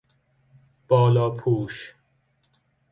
بالاپوش